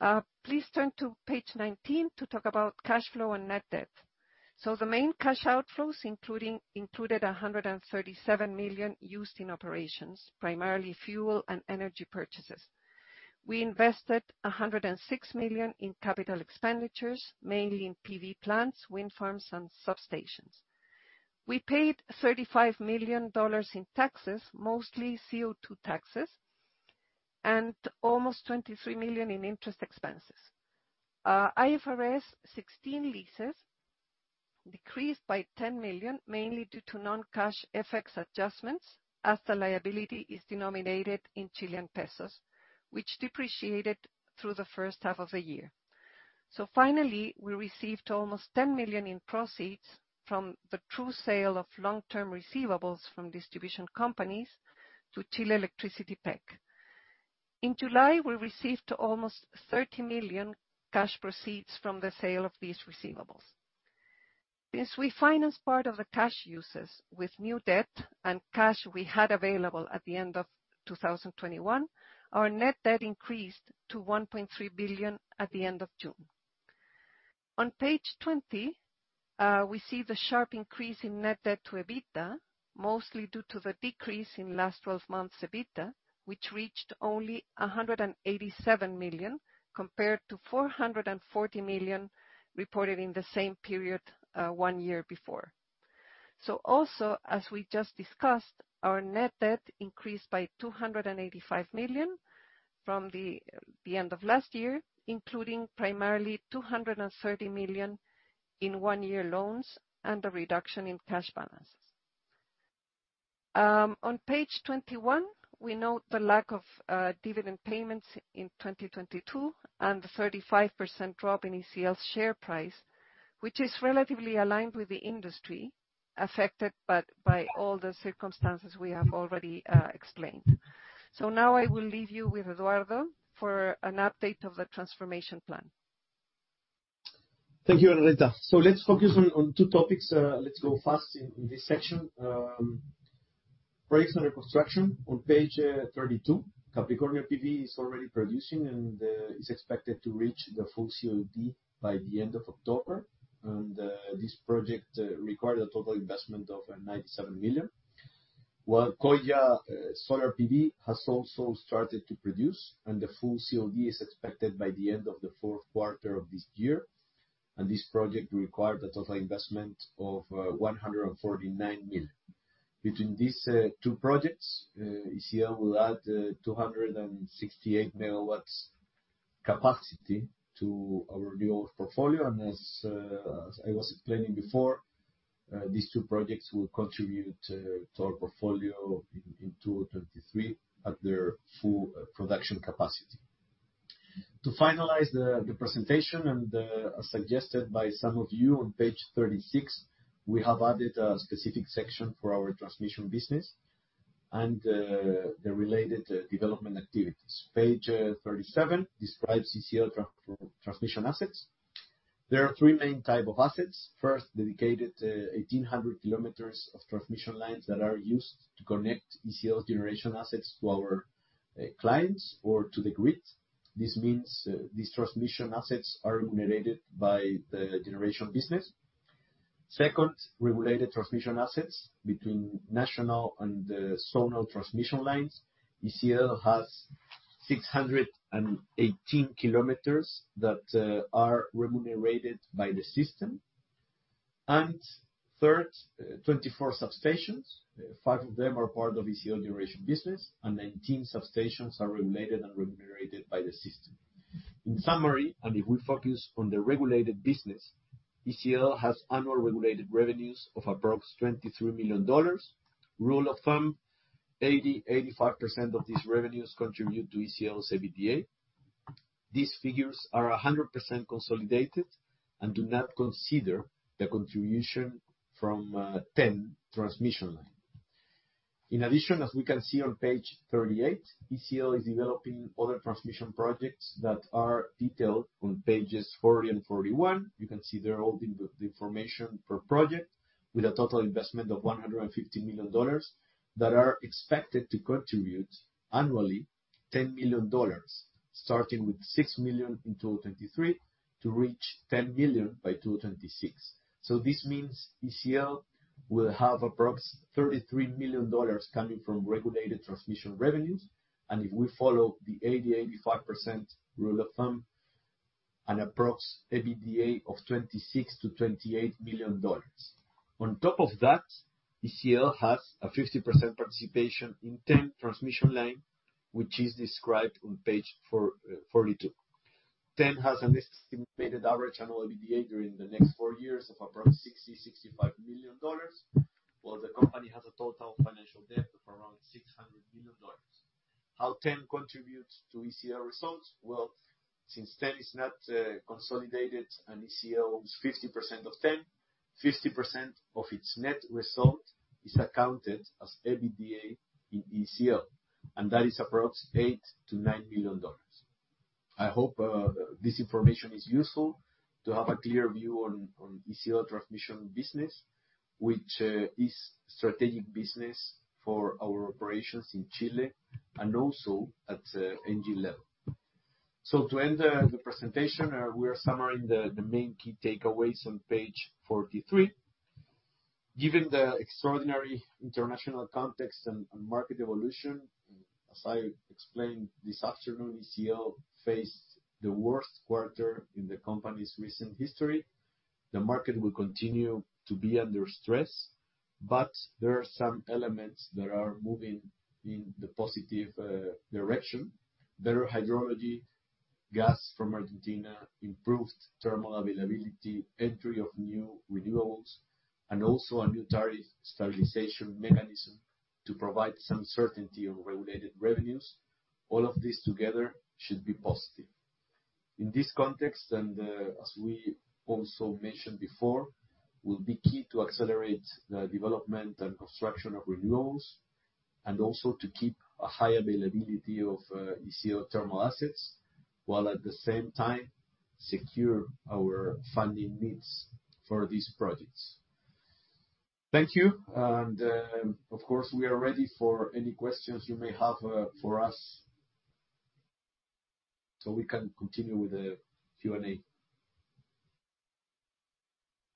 Q3 results. Please turn to page 19 to talk about cash flow and net debt. The main cash outflows included $137 million used in operations, primarily fuel and energy purchases. We invested $106 million in capital expenditures, mainly in PV plants, wind farms, and substations. We paid $35 million in taxes, mostly CO2 taxes, and almost $23 million in interest expenses. IFRS 16 leases decreased by $10 million, mainly due to non-cash FX adjustments as the liability is denominated in Chilean pesos, which depreciated through the H1 of the year. Finally, we received almost $10 million in proceeds from the true sale of long-term receivables from distribution companies to Chile Electricity PEC. In July, we received almost $30 million cash proceeds from the sale of these receivables. Since we financed part of the cash uses with new debt and cash, we had available at the end of 2021, our net debt increased to $1.3 billion at the end of June. On page 20, we see the sharp increase in net debt to EBITDA, mostly due to the decrease in last twelve months' EBITDA, which reached only 187 million, compared to 440 million reported in the same period one year before. Also, as we just discussed, our net debt increased by 285 million from the end of last year, including primarily 230 million in one-year loans and a reduction in cash balances. On page 21, we note the lack of dividend payments in 2022 and the 35% drop in ECL's share price, which is relatively aligned with the industry affected by all the circumstances we have already explained. Now I will leave you with Eduardo for an update of the transformation plan. Thank you, Bernardita. Let's focus on two topics. Let's go fast in this section. Projects under construction on page 32. Capricorn PV is already producing and is expected to reach the full COD by the end of October. This project required a total investment of $97 million. While Coya Solar PV has also started to produce, and the full COD is expected by the end of the Q4 of this year. This project required a total investment of $149 million. Between these two projects, ECL will add 268 MW capacity to our new portfolio. I was explaining before, these two projects will contribute to our portfolio in 2023 at their full production capacity. To finalize the presentation and, as suggested by some of you, on page 36, we have added a specific section for our transmission business and the related development activities. Page 37 describes ECL transmission assets. There are three main types of assets. First, dedicated 1,800 kilometers of transmission lines that are used to connect ECL's generation assets to our clients or to the grid. This means these transmission assets are remunerated by the generation business. Second, regulated transmission assets between national and zonal transmission lines. ECL has 618 kilometers that are remunerated by the system. Third, 24 substations. Five of them are part of ECL generation business, and 19 substations are regulated and remunerated by the system. In summary, if we focus on the regulated business, ECL has annual regulated revenues of approximately $23 million. Rule of thumb, 80 to 85% of these revenues contribute to ECL's EBITDA. These figures are 100% consolidated and do not consider the contribution from TEN Transmission Line. In addition, as we can see on page 38, ECL is developing other transmission projects that are detailed on pages 40 and 41. You can see there all the information per project with a total investment of $150 million that are expected to contribute annually $10 million, starting with $6 million in 2023 to reach $10 million by 2026. This means ECL will have approx $33 million coming from regulated transmission revenues, and if we follow the 80 to 85% rule of thumb, an approx EBITDA of $26 to 28 million. On top of that, ECL has a 50% participation in TEN Transmission Line, which is described on page 42. TEN has an estimated average annual EBITDA during the next four years of approx $60 to 65 million, while the company has a total financial debt of around $600 million. How TEN contributes to ECL results? Well, since TEN is not consolidated and ECL owns 50% of TEN, 50% of its net result is accounted as EBITDA in ECL, and that is approx $8 to 9 million. I hope this information is useful to have a clear view on ECL transmission business, which is strategic business for our operations in Chile and also at ENGIE level. To end the presentation, we are summarizing the main key takeaways on page 43. Given the extraordinary international context and market evolution, as I explained this afternoon, ECL faced the worst quarter in the company's recent history. The market will continue to be under stress, but there are some elements that are moving in the positive direction. Better hydrology, gas from Argentina, improved thermal availability, entry of new renewables, and also a new tariff stabilization mechanism to provide some certainty on regulated revenues. All of this together should be positive. In this context, and as we also mentioned before, will be key to accelerate the development and construction of renewables, and also to keep a high availability of ECL thermal assets, while at the same time secure our funding needs for these projects. Thank you. Of course, we are ready for any questions you may have for us, so we can continue with the Q&A.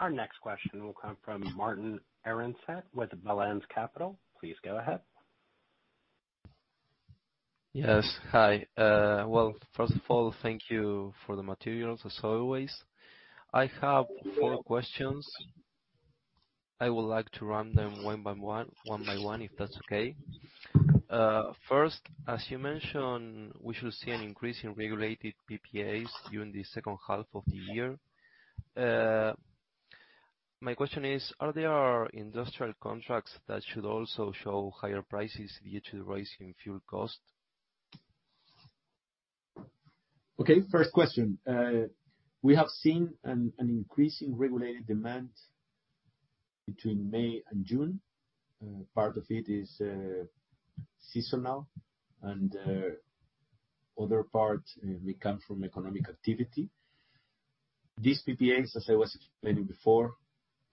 Our next question will come from Martin Arancet with Balanz Capital. Please go ahead. Yes. Hi. Well, first of all, thank you for the materials as always. I have four questions. I would like to run them one by one, if that's okay. First, as you mentioned, we should see an increase in regulated PPAs during the H2 of the year. My question is, are there industrial contracts that should also show higher prices due to the rise in fuel cost? Okay. First question. We have seen an increase in regulated demand between May and June. Part of it is seasonal and other part may come from economic activity. These PPAs, as I was explaining before,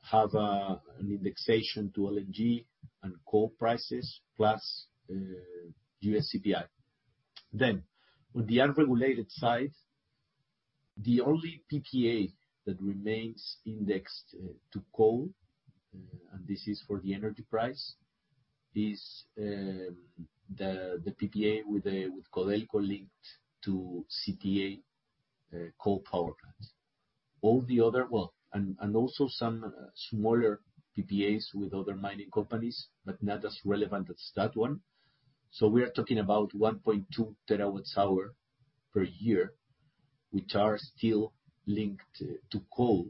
have an indexation to LNG and coal prices, plus US CPI. On the unregulated side, the only PPA that remains indexed to coal, and this is for the energy price, is the PPA with Colbún linked to CTA coal power plant. Well, and also some smaller PPAs with other mining companies, but not as relevant as that one. We are talking about 1.2 terawatt hours per year, which are still linked to coal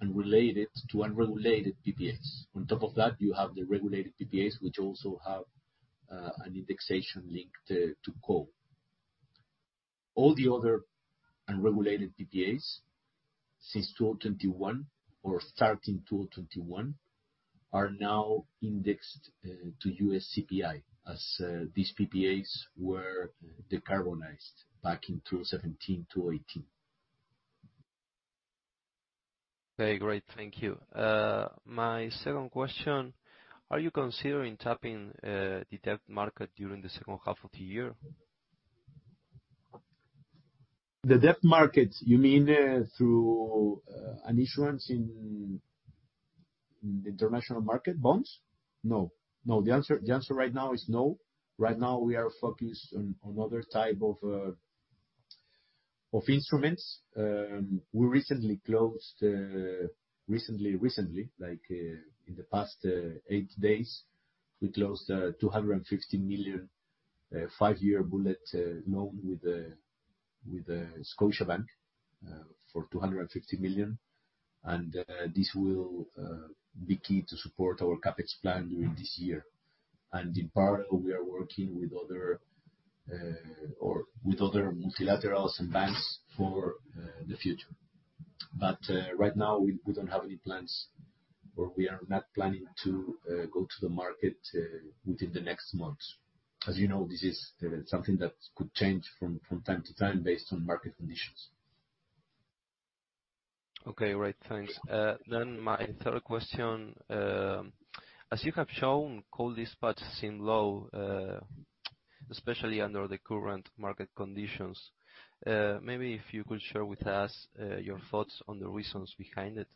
and related to unregulated PPAs. On top of that, you have the regulated PPAs, which also have an indexation linked to coal. All the other unregulated PPAs since 2021 or starting 2021 are now indexed to US CPI, as these PPAs were decarbonized back in 2017, 2018. Okay, great. Thank you. My second question, are you considering tapping the debt market during the H2 of the year? The debt market, you mean, through an issuance in international market bonds. No. No. The answer right now is no. Right now, we are focused on other type of instruments. We recently closed, like, in the past eight days, a $250 million five-year bullet loan with Scotiabank for $250 million. This will be key to support our CapEx plan during this year. In parallel, we are working with other multilaterals and banks for the future. Right now, we don't have any plans, or we are not planning to go to the market within the next months. As you know, this is something that could change from time to time based on market conditions. Okay. Right. Thanks. My third question, as you have shown, coal dispatch seem low, especially under the current market conditions. Maybe if you could share with us, your thoughts on the reasons behind it.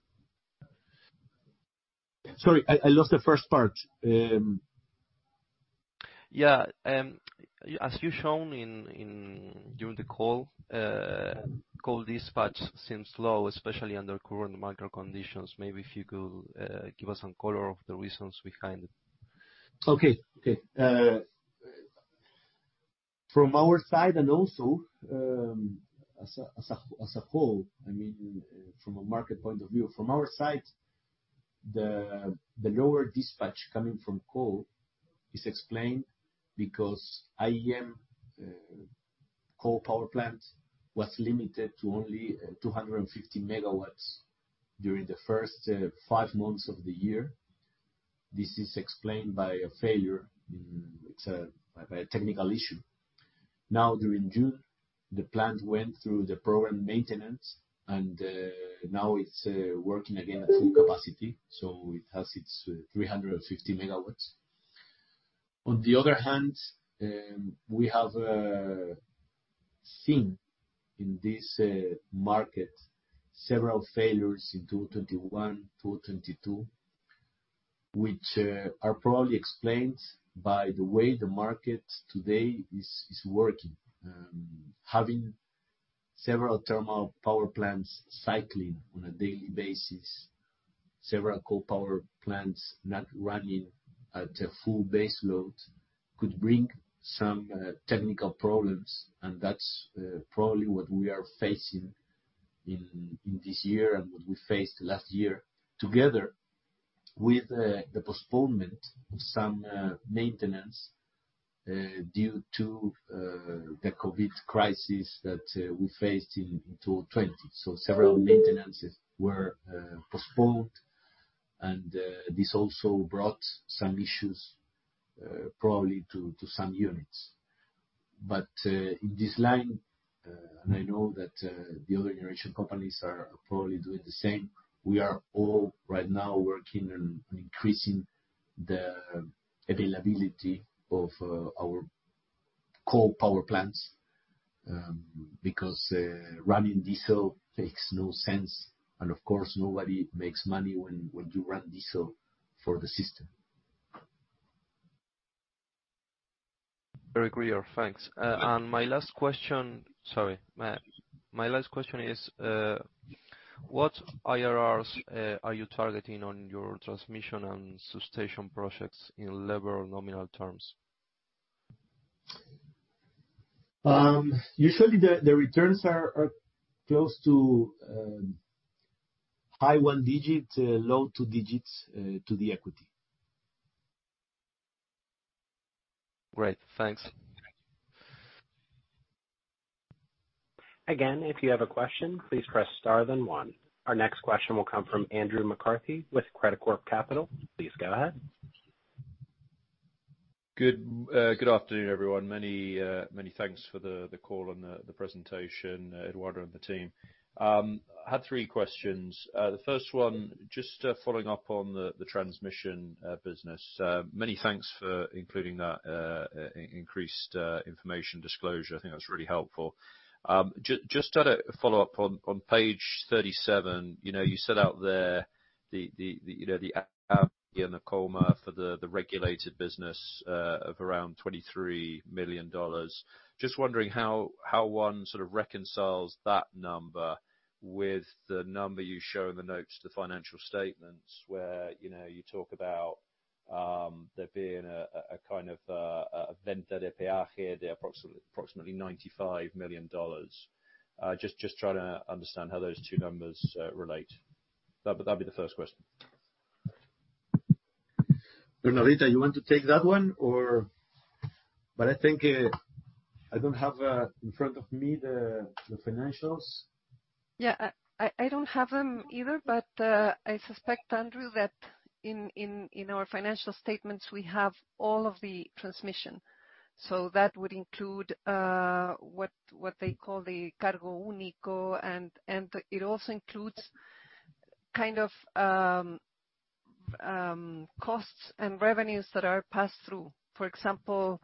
Sorry, I lost the first part. Yeah. As you've shown, indeed during the call, coal dispatch seems low, especially under current market conditions. Maybe if you could give us some color on the reasons behind it. Okay. From our side and also as a whole, I mean, from a market point of view. From our side, the lower dispatch coming from coal is explained because IEM coal power plant was limited to only 250 MW during the first five months of the year. This is explained by a technical issue. Now, during June, the plant went through the planned maintenance, and now it's working again at full capacity, so it has its 350 MW. On the other hand, we have seen in this market several failures in 2021, 2022, which are probably explained by the way the market today is working. Having several thermal power plants cycling on a daily basis, several coal power plants not running at a full base load could bring some technical problems, and that's probably what we are facing in this year and what we faced last year, together with the postponement of some maintenance due to the COVID crisis that we faced in 2020. Several maintenances were postponed, and this also brought some issues probably to some units. In this line, and I know that the other generation companies are probably doing the same, we are all right now working on increasing the availability of our coal power plants, because running diesel makes no sense. Of course, nobody makes money when you run diesel for the system. Very clear. Thanks. My last question is, what IRRs are you targeting on your transmission and substation projects in level or nominal terms? Usually, the returns are close to high one-digit, low two-digit to the equity. Great. Thanks. Again, if you have a question, please press star then one. Our next question will come from Andrew McCarthy with Credicorp Capital. Please go ahead. Good afternoon, everyone. Many thanks for the call and the presentation, Eduardo and the team. Had three questions. The first one, just following up on the transmission business. Many thanks for including that increased information disclosure. I think that's really helpful. Just a follow-up on page 37, you know, you set out there the regulated business of around $23 million. Just wondering how one sort of reconciles that number with the number you show in the notes to financial statements where, you know, you talk about there being a kind of approximately $95 million. Just trying to understand how those two numbers relate. That would, that'd be the first question. Bernardita, you want to take that one? I think I don't have in front of me the financials. Yeah. I don't have them either, but I suspect, Andrew, that in our financial statements, we have all of the transmission. That would include what they call the cargo único, and it also includes kind of costs and revenues that are passed through. For example,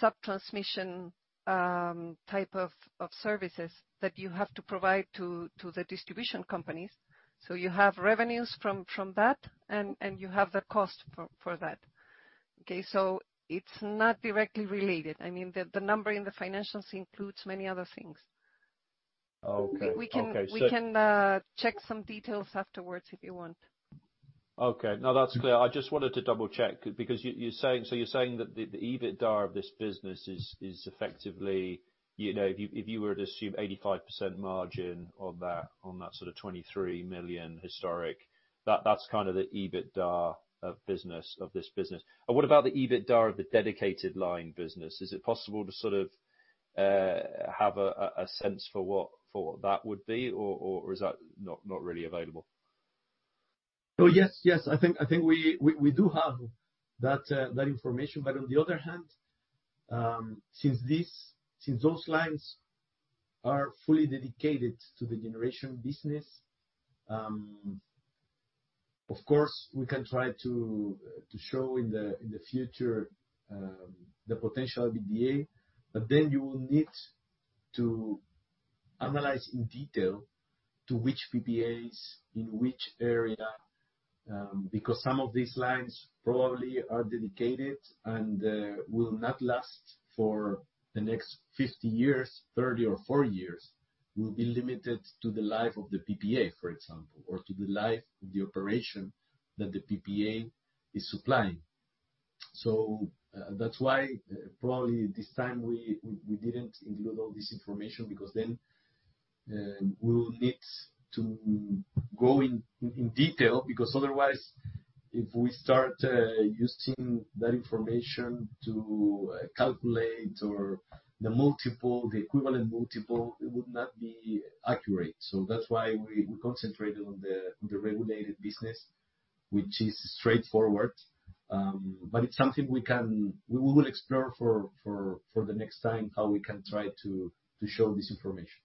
sub-transmission type of services that you have to provide to the distribution companies. You have revenues from that, and you have the cost for that. Okay. It's not directly related. I mean, the number in the financials includes many other things. Okay. We can check some details afterwards if you want. Okay. No, that's clear. I just wanted to double-check because you're saying. So, you're saying that the EBITDA of this business is effectively, you know, if you were to assume 85% margin on that sort of $23 million historic, that's kind of the EBITDA of business of this business. What about the EBITDA of the dedicated line business? Is it possible to sort of have a sense for what that would be? Or is that not really available? Yes. I think we do have that information. On the other hand, since those lines are fully dedicated to the generation business, of course, we can try to show in the future the potential EBITDA. Then you will need to analyze in detail to which PPAs in which area, because some of these lines probably are dedicated and will not last for the next 50 years, 30 or 40 years. They will be limited to the life of the PPA, for example, or to the life of the operation that the PPA is supplying. That's why probably this time we didn't include all this information because then we'll need to go in detail, because otherwise, if we start using that information to calculate the multiple, the equivalent multiple, it would not be accurate. That's why we concentrated on the regulated business, which is straightforward. But it's something we can. We will explore for the next time how we can try to show this information.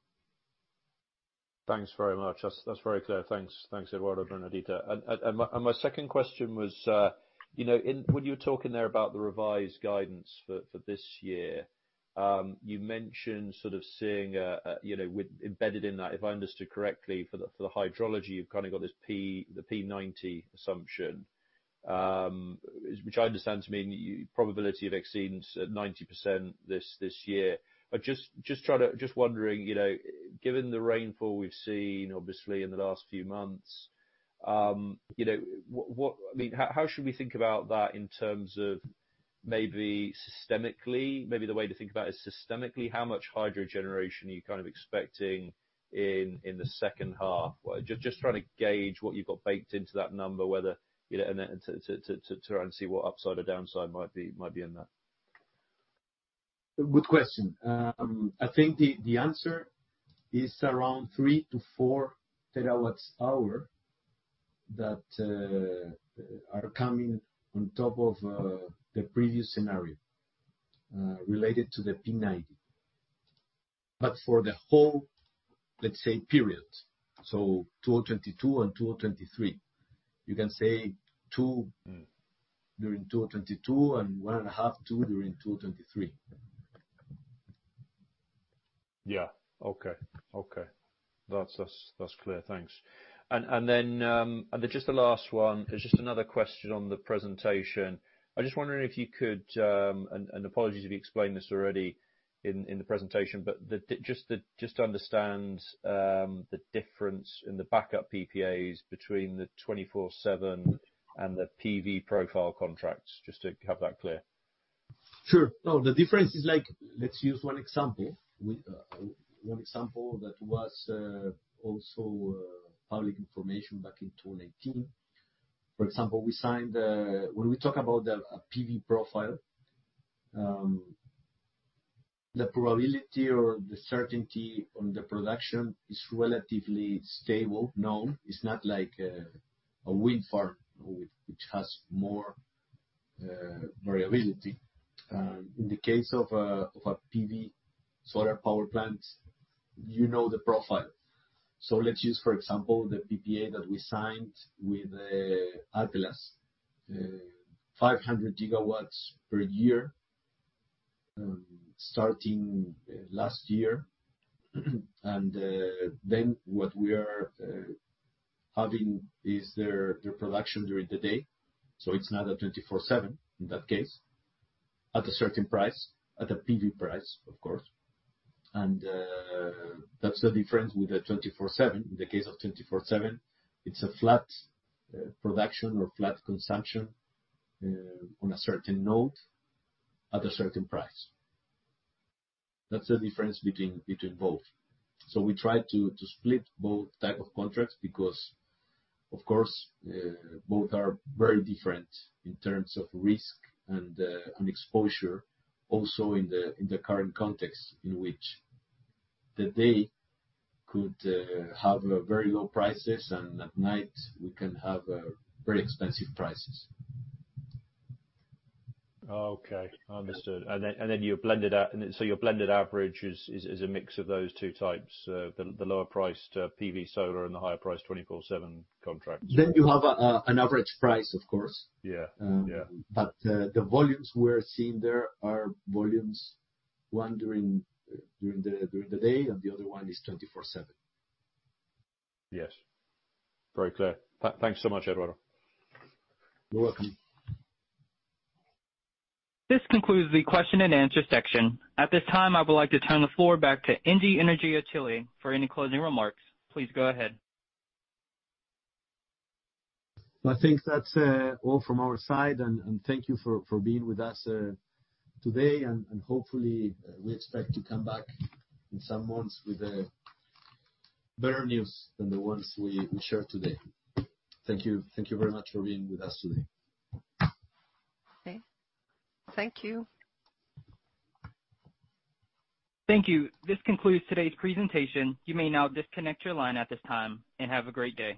Thanks very much. That's very clear. Thanks. Thanks, Eduardo and Bernardita. My second question was, when you were talking there about the revised guidance for this year, you mentioned sort of seeing a with embedded in that, if I understood correctly, for the hydrology, you've kind of got this P, the P90 assumption, which I understand to mean probability of exceeds at 90% this year. Trying to. Just wondering, given the rainfall we've seen obviously in the last few months, I mean, how should we think about that in terms of maybe systemically? Maybe the way to think about it is systemically, how much hydro generation are you kind of expecting in the H2? Just trying to gauge what you've got baked into that number, whether, you know, and then to try and see what upside or downside might be in that. Good question. I think the answer is around 3 to 4 terawatt hours that are coming on top of the previous scenario related to the P90. For the whole, let's say, period, so 2022 and 2023. You can say 2 during 2022 and one and a half to during 2023. Yeah. Okay. That's clear. Thanks. Then just the last one. It's just another question on the presentation. I'm just wondering if you could, and apologies if you explained this already in the presentation, but just to understand the difference in the backup PPAs between the 24/7 and the PV profile contracts, just to have that clear. Sure. No, the difference is like, let's use one example. One example that was also public information back in 2019. For example, we signed. When we talk about the PV profile, the probability or the certainty on the production is relatively stable, known. It's not like a wind farm which has more variability. In the case of a PV solar power plant, you know the profile. Let's use, for example, the PPA that we signed with Atlas. 500 gigawatt hours per year, starting last year. Then what we are having is their production during the day, so it's not a 24/7, in that case, at a certain price, at a PV price, of course. That's the difference with the 24/7. In the case of 24/7, it's a flat production or flat consumption on a certain note at a certain price. That's the difference between both. We try to split both type of contracts because, of course, both are very different in terms of risk and exposure also in the current context in which the day could have very low prices and at night we can have very expensive prices. Okay. Understood. Then you blended out. Your blended average is a mix of those two types, the lower priced PV solar and the higher priced 24/7 contracts. You have an average price, of course. Yeah. Yeah. The volumes we're seeing there are volumes, one during the day, and the other one is 24/7. Yes. Very clear. Thanks so much, Eduardo. You're welcome. This concludes the question-and-answer section. At this time, I would like to turn the floor back to ENGIE Energía Chile for any closing remarks. Please go ahead. I think that's all from our side and thank you for being with us today. Hopefully, we expect to come back in some months with better news than the ones we shared today. Thank you. Thank you very much for being with us today. Okay. Thank you. Thank you. This concludes today's presentation. You may now disconnect your line at this time and have a great day.